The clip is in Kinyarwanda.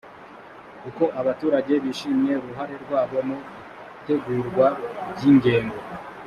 uko abaturage bishimiye uruhare rwabo mu itegurwa ry ingengo